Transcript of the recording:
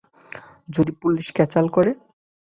যদি পুলিশ ক্যাঁচাল করে?